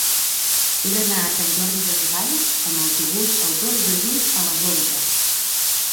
He d'anar a Sant Jordi Desvalls amb autobús el dos de juny a les onze.